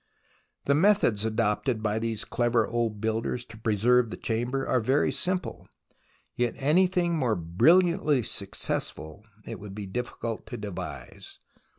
The methods adopted by these clever old builders to preserve the Chamber are very simple, yet any thing more brilliantly successful it would be difficult to devise.